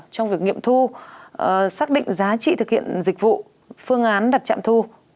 trong việc nghiệm thu xác định giá trị thực hiện dịch vụ phương án đặt trạm thu